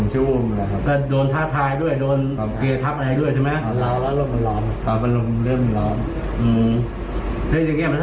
ใจใจใจครับอืมเราอยากจะบอกพ่อแม่ยังไงไหม